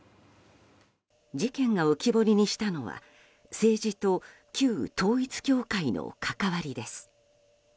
事件が浮き彫りにしたのは政治と旧統一教会の関わりです。